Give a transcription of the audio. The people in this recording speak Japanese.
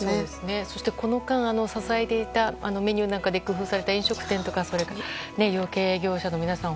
そしてこの間支えていたメニューなどを工夫された飲食店とか養鶏業者の皆さん